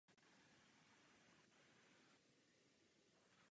Byl dlouholetým továrním pilotem týmu Škoda Motorsport.